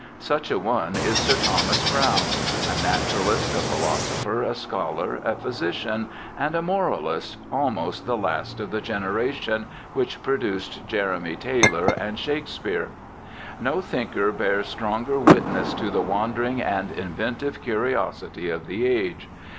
Such a one is Sir Thomas Browne, a naturalist, a philosopher, a scholar, a physician, and a moralist, almost the last of the generation which produced Jeremy Taylor and Shakespeare. No thinner bears stronger witness to the wandering and inventive curiosity ot the age.